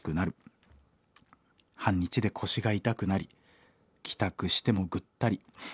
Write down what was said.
半日で腰が痛くなり帰宅してもぐったり。